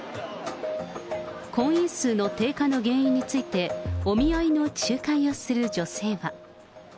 婚姻数の低下の原因について、お見合いの仲介をする女性は。